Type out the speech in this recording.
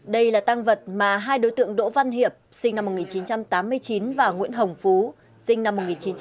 đây là tăng vật mà hai đối tượng đỗ văn hiệp sinh năm một nghìn chín trăm tám mươi chín và nguyễn hồng phú sinh năm một nghìn chín trăm tám mươi